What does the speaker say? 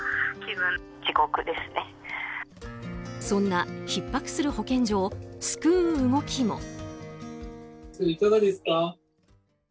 そんな、ひっ迫する保健所を救う動きも。